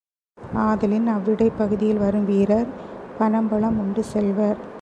ஆதலின், அவ்விடைப் பகுதியில் வரும் வீரர், பனம்பழம் உண்டு செல்வர்.